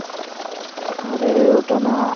আরে এটা কী?